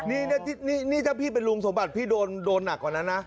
นี่ถ้าพี่เป็นลุงสมบัติพี่โดนหนักกว่านั้นนะ